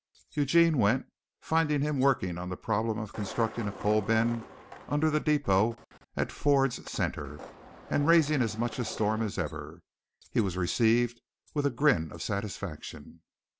Eugene went, finding him working on the problem of constructing a coal bin under the depot at Fords Centre, and raising as much storm as ever. He was received with a grin of satisfaction.